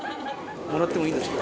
もらってもいいですか？